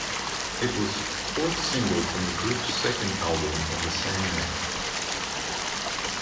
It was fourth single from the group's second album of the same name.